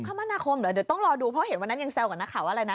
คมนาคมเหรอเดี๋ยวต้องรอดูเพราะเห็นวันนั้นยังแซวกับนักข่าวว่าอะไรนะ